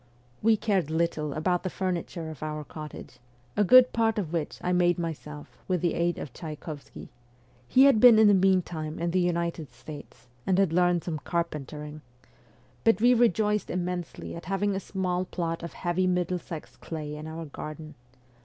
We cared little about the furniture of our cottage, a good part of which I made myself with the aid of Tchaykovsky he had been in the meantime in the United States and had learned some carpentering but we rejoiced immensely at having a small plot of heavy Middlesex clay in our garden.